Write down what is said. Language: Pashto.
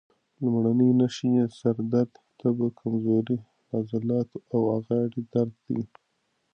لومړنۍ نښې یې سر درد، تبه، کمزوري، د عضلاتو او غاړې درد دي.